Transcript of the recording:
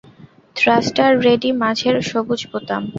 Thruster ready, মাঝের সবুজ বোতাম।